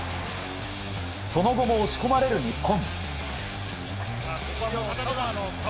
その後も押し込まれる日本。